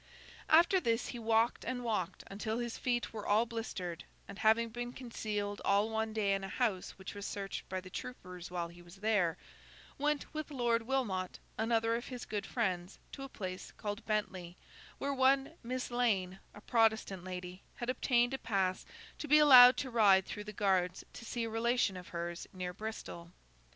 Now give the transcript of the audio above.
After this, he walked and walked until his feet were all blistered; and, having been concealed all one day in a house which was searched by the troopers while he was there, went with Lord Wilmot, another of his good friends, to a place called Bentley, where one Miss Lane, a Protestant lady, had obtained a pass to be allowed to ride through the guards to see a relation of hers near Bristol.